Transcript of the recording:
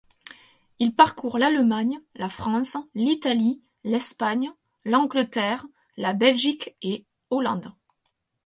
Il parcourt l'Allemagne, la France, l'Italie, l'Espagne, l'Angleterre, la Belgique et Hollande.